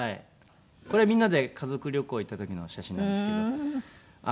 これはみんなで家族旅行行った時の写真なんですけど。